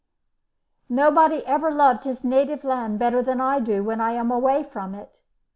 Nobody ever loved his native land better than I do when I am away from it.